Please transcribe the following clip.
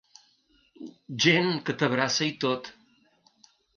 Gent que t’abraça i tot.